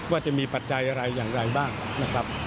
ว่าจะมีปัจจัยอะไรอย่างไรบ้างนะครับ